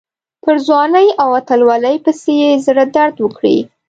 پر ځوانۍ او اتلولۍ پسې یې زړه درد وکړي.